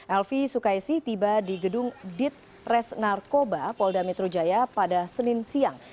elvi sukaisi tiba di gedung ditres narkoba polda metro jaya pada senin siang